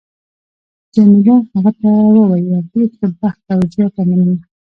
جميله هغه ته وویل: ډېر ښه بخت او زیاته مننه.